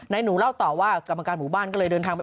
หนูเล่าต่อว่ากรรมการหมู่บ้านก็เลยเดินทางมา